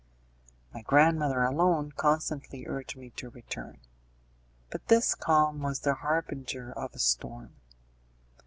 My grandmother alone constantly urged me to return. But this calm was the harbinger of a storm.